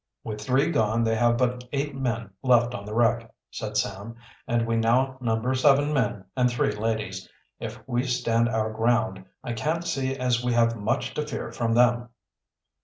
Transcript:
"With three gone they have but eight men left on the wreck," said Sam. "And we now number seven men and three ladies. If we stand our ground, I can't see as we have much to fear from them."